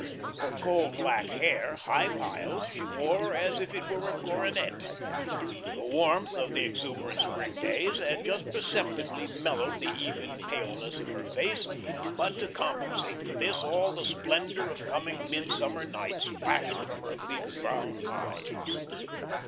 Her coal black hair, high piled, she wore as if it were a coronet. The warmth of the exuberant spring days had just perceptibly mellowed the even paleness of her face, but to compensate for this all the splendour of coming midsummer nights flashed from her deep brown eyes.